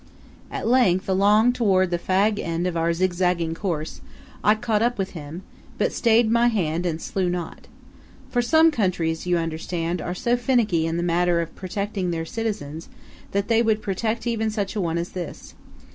At length, along toward the fag end of our zigzagging course, I caught up with him; but stayed my hand and slew not. For some countries, you understand, are so finicky in the matter of protecting their citizens that they would protect even such a one as this.